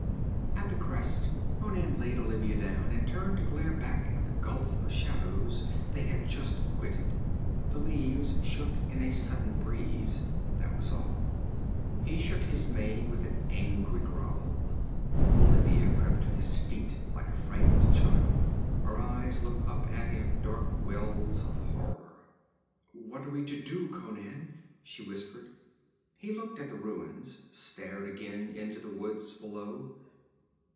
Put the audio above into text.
At the crest Conan laid Olivia down, and turned to glare back at the gulf of shadows they had just quitted. The leaves shook in a sudden breeze; that was all. He shook his mane with an angry growl. Olivia crept to his feet like a frightened child. Her eyes looked up at him, dark wells of horror. 'What are we to do, Conan?' she whispered. He looked at the ruins, stared again into the woods below.